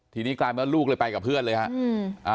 ทีนี้กลายเป็นว่าลูกเลยไปกับเพื่อนเลยฮะ